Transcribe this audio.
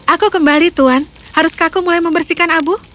aku kembali tuan haruskah aku mulai membersihkan abu